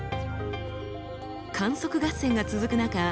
観測合戦が続く中